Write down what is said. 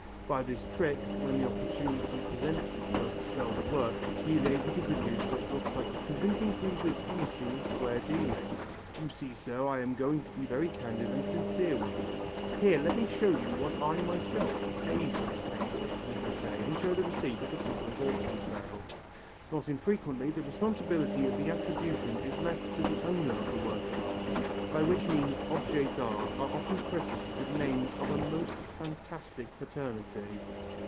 By this trick, when an opportunity presents itself to sell the work, he is able to produce what looks like a convincing proof of his honesty and square dealing. "You see, sir, I am going to be very candid and sincere with you. Here, let me show you what I myself paid for this painting," he will say, and show the receipt of the public auction sale. Not infrequently the responsibility of the attribution is left to the owner of the work of art, by which means objets d'art are often christened with names of a most fantastic paternity.